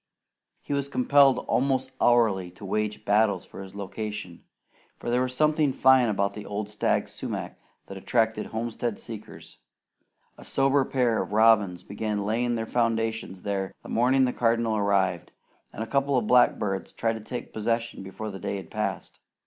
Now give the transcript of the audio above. He was compelled almost hourly to wage battles for his location, for there was something fine about the old stag sumac that attracted homestead seekers. A sober pair of robins began laying their foundations there the morning the Cardinal arrived, and a couple of blackbirds tried to take possession before the day had passed.